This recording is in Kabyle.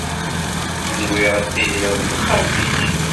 Nwiɣ ad tiliḍ deg texxamt-ik.